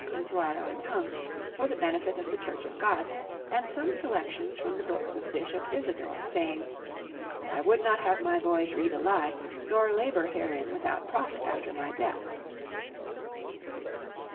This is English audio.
into our own tongue, for the benefit of the Church of God; and some selections from the books of Bishop Isidore, saying, 'I would not have my boys read a lie, nor labour herein without profit after my death.